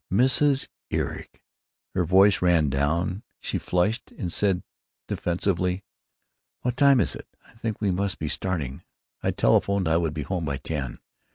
'Mrs. Eric——'" Her voice ran down; she flushed and said, defensively: "What time is it? I think we must be starting. I telephoned I would be home by ten."